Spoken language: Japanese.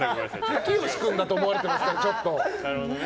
明慶君だと思われてますから。